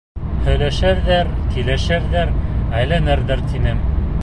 Һөйләшерҙәр, килешерҙәр, әйләнерҙәр тинем.